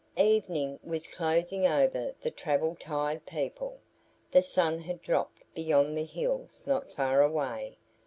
Evening was closing over the travel tired people. The sun had dropped beyond the hills not far away.